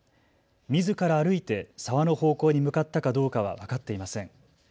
みずから歩いて沢の方向に向かったかどうかは分かっていません。